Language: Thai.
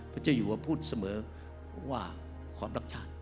พระเจ้าหยุดพูดเสมอว่าความรักชาญ